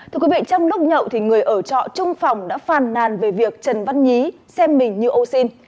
trong đúc nhậu người ở trọ trung phòng đã phàn nàn về việc trần văn nhí xem mình như ô xin